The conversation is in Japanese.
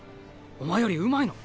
お前よりうまいの？